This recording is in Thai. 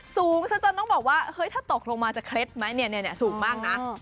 สูงซะจนต้องบอกว่าเฮ้ยถ้าตกลงมาจะเคล็ดไหมเนี่ยสูงมากนะ